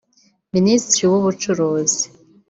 Minisitiri w’Ubucuruzi